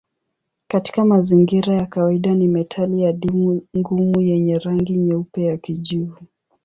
Katika mazingira ya kawaida ni metali adimu ngumu yenye rangi nyeupe ya kijivu.